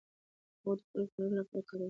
د هغو خلکو د مړولو لپاره یې وکاروي.